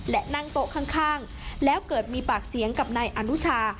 และนั่งโต๊ะข้างแล้วเกิดมีปากเสียงกับนายอนุชา